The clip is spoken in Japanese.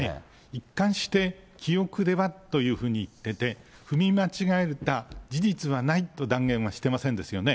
一貫して、記憶ではというふうに言ってて、踏み間違えた事実はないと断言はしてませんですよね。